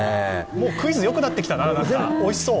もうクイズよくなってきたな、なんか、おいしそう。